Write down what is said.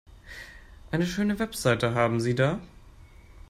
Eine schöne Website haben Sie da.